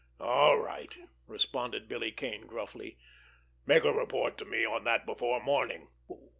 "All right," responded Billy Kane gruffly. "Make a report to me on that before morning."